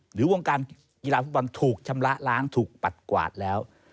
หรือวงการกีฬาฟุตบอลถูกชำระล้างถูกปัดกวาดแล้ว